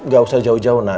gak usah jauh jauh ma